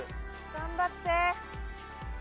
頑張って！